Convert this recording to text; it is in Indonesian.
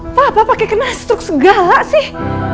apa apa pakai kena suk segala sih